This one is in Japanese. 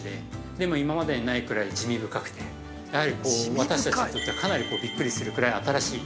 でも、今までにないくらい滋味深くてやはりこう、私たちにとってはかなりびっくりするぐらい新しい。